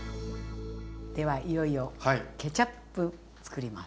ではいよいよケチャップつくります。